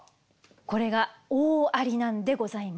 これが大ありなんでございます。